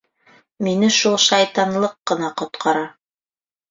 Мине шул шайтанлыҡ ҡына ҡотҡара.